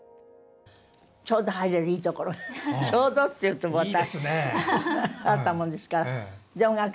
ちょうど入れるいいところちょうどっていうと、また。